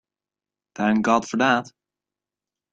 Thank God for that!